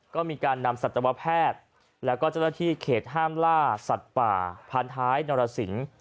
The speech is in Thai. ก็มีการนำสัตวแพทย์แล้วก็เจ้าหน้าที่เขตห้ามล่าสัตว์ป่าพานท้ายนรสิง